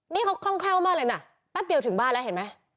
นี่เขาคล่องแคล่วมากเลยนะแป๊บเดียวถึงบ้านแล้วเห็นไหม